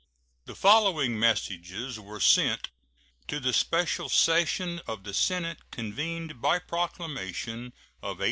] [The following messages were sent to the special session of the Senate convened by proclamation (see pp.